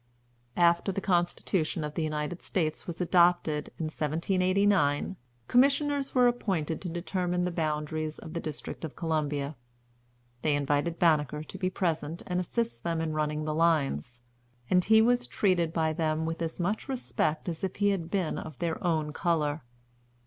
After the Constitution of the United States was adopted, in 1789, commissioners were appointed to determine the boundaries of the District of Columbia. They invited Banneker to be present and assist them in running the lines; and he was treated by them with as much respect as if he had been of their own color.